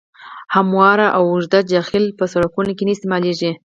هموار او اوږد جغل په سرکونو کې نه استعمالیږي